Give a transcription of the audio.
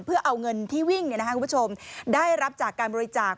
เพื่อเอาเงินที่วิ่งคุณผู้ชมได้รับจากการบริจาค